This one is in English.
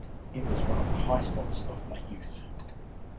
It was one of the high spots of my youth.